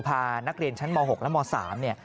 พานักเรียนชั้นม๖และม๓